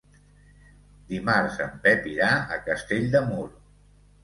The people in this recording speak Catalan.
Dimarts en Pep irà a Castell de Mur.